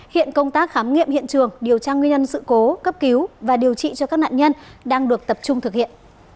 hiện công tác khám nghiệm hiện trường điều tra nguyên nhân sự cố cấp cứu và điều trị cho các nạn nhân đang được tập trung thực hiện